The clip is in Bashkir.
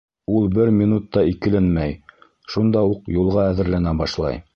Ул бер минут та икеләнмәй, шунда уҡ юлға әҙерләнә башлай.